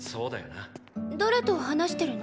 誰と話してるの？